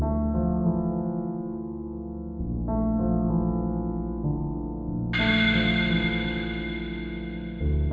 bakal ini sampe nyet hu